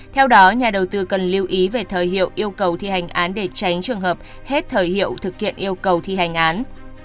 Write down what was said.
theo đó nhà đầu tư cần lưu ý về thời hiệu yêu cầu thi hành án để tránh trường hợp hết thời hiệu thực hiện yêu cầu thi hành án